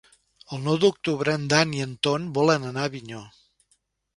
El nou d'octubre en Dan i en Ton volen anar a Avinyó.